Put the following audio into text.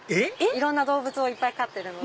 いろんな動物を飼ってるので。